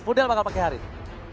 fudel bakal pakai harith